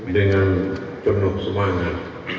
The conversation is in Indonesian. dengan tenuk semangat